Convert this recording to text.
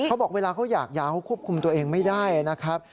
เขาบอกเวลาเขาอยากยาวเขาควบคุมตัวเองไม่ได้นะครับ